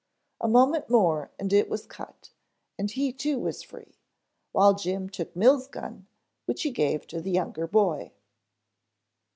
A moment more and it was cut and he too was free, while Jim took Mills' gun, which he gave to the younger boy.